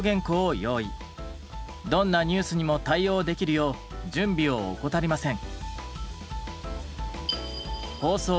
どんなニュースにも対応できるよう準備を怠りません。